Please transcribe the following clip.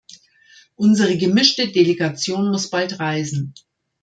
Unsere gemischte Delegation muss bald reisen.